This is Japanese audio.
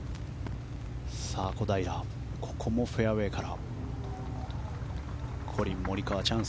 小平、ここもフェアウェーから。